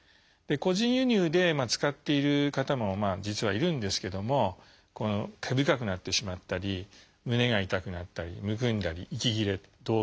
個人輸入で使っている方もまあ実はいるんですけども毛深くなってしまったり胸が痛くなったりむくんだり息切れ動悸